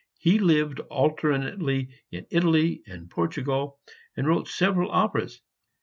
He lived alternately in Italy and Portugal, and wrote several operas.